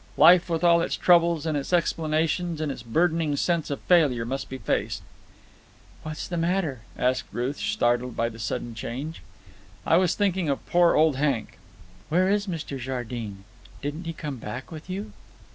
Life with all its troubles and its explanations and its burdening sense of failure must be faced. "What's the matter?" asked Ruth, startled by the sudden change. "I was thinking of poor old Hank." "Where is Mr. Jardine? Didn't he come back with you?"